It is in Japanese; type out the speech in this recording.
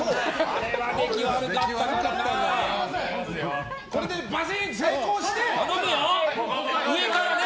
あれは出来悪かったからな。